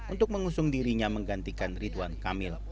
untuk mengusung dirinya menggantikan ridwan kamil